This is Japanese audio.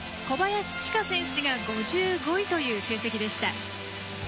小林千佳選手が５５位という成績でした。